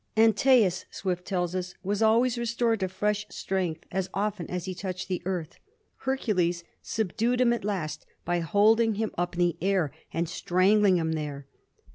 Antaeus, Swift tells us, was always restored to fresh strength as oft; en as he touched the earth ; Hercules subdued him at last by holding him up in the air and stran gling him there.